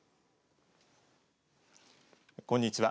こんにちは。